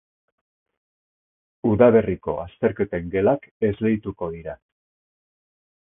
Udaberriko azterketen gelak esleituko dira.